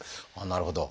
なるほど。